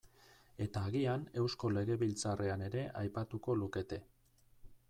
Eta agian Eusko Legebiltzarrean ere aipatuko lukete.